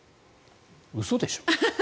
嘘でしょ？